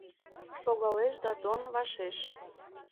Шогалеш Дадон вашеш